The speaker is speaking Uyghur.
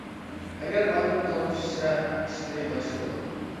ئەگەر ئادەم تال چۈشىسە، ئىشلىرى ياخشى بولۇر.